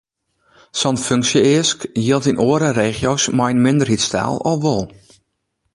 Sa’n funksje-eask jildt yn oare regio’s mei in minderheidstaal al wol.